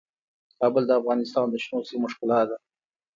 کابل د افغانستان د شنو سیمو ښکلا ده.